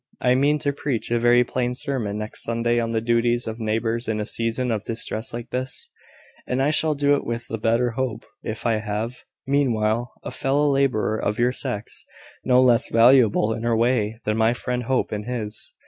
I mean to preach a very plain sermon next Sunday on the duties of neighbours in a season of distress like this: and I shall do it with the better hope, if I have, meanwhile, a fellow labourer of your sex, no less valuable in her way than my friend Hope in his."